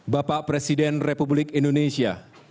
bapak presiden republik indonesia